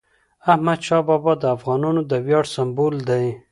احمدشاه بابا د افغانانو د ویاړ سمبول دی.